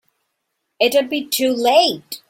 It'd be too late.